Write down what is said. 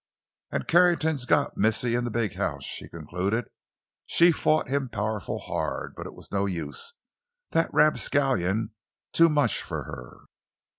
"An' Carrington's got missy in the big house!" she concluded. "She fit him powerful hard, but it was no use—that rapscallion too much fo' her!"